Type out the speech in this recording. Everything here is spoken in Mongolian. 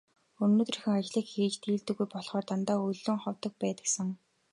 Өдрийнхөө ажлыг хийж дийлдэггүй болохоор дандаа өлөн ховдог байдагсан.